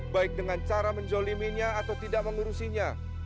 baik dengan cara menzoliminya atau tidak mengurusinya